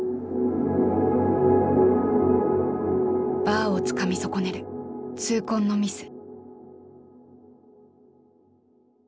バーをつかみ損ねる痛恨のミス。